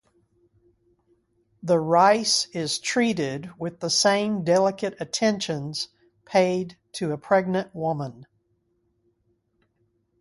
The rice is treated with the same delicate attentions paid to a pregnant woman.